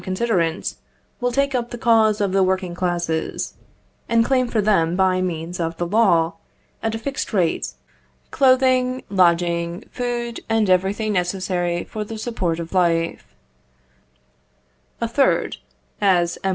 Considerant, will take up the cause of the working classes, and claim for them by means of the law, at a fixed rate, clothing, lodging, food, and everything necessary for the support of life. A third, as, M.